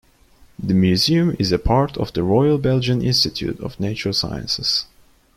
The museum is a part of the Royal Belgian Institute of Natural Sciences.